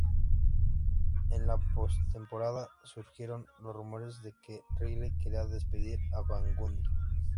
En la postemporada, surgieron los rumores de que Riley quería despedir a Van Gundy.